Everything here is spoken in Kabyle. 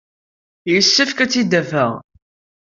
Yessefk ad tt-id-afeɣ.